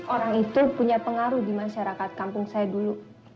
orang itu punya pengaruh di masyarakat kampung saya dulu